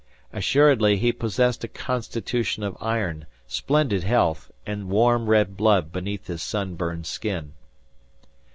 Assuredly he possessed a constitution of iron, splendid health, and warm red blood beneath his sun burned skin.